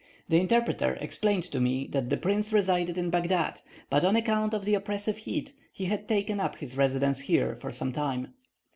The interpreter explained to me that the prince resided in Baghdad, but on account of the oppressive heat, he had taken up his residence here for some time.